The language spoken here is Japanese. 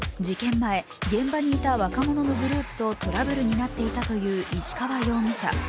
前、現場にいた若者のグループとトラブルになっていたという石川容疑者。